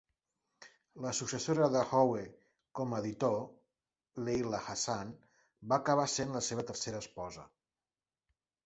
La successora de Howe com a editor, Leila Hassan, va acabar sent la seva tercera esposa.